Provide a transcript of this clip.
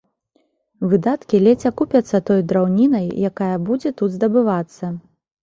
Выдаткі ледзь акупяцца той драўнінай, якая будзе тут здабывацца.